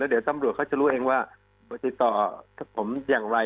เดี๋ยวตำรวจเขาจะรู้เองว่าติดต่อกับผมอย่างไร